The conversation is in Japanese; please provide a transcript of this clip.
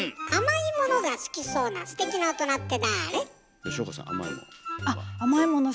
吉岡さん甘いものとか。